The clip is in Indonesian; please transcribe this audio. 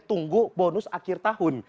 tunggu bonus akhir tahun